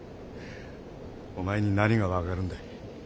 お前に何が分かるんだい。